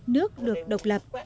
nước được độc lập